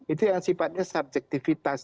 itu yang sifatnya subjektivitas